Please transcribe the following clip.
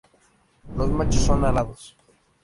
Los machos son alados..